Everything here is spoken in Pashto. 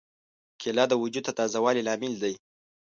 کېله د وجود د تازه والي لامل ده.